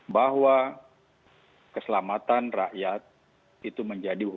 bahwa keselamatan rakyat itu menjadi hukum